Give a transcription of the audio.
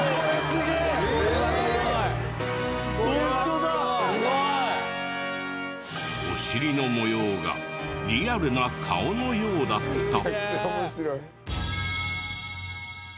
すごい！お尻の模様がリアルな顔のようだった。